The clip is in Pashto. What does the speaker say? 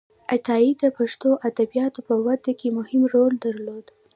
عطایي د پښتو ادبياتو په وده کې مهم رول درلود.